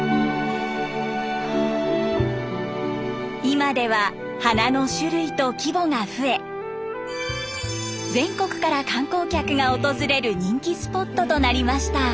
今では花の種類と規模が増え全国から観光客が訪れる人気スポットとなりました。